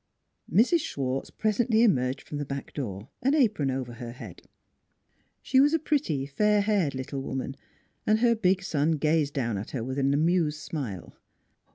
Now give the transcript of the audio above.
Mrs. Schwartz presently emerged from the back door, an apron over her head. She was a pretty, fair haired little woman, and her big son gazed down at her with an amused smile.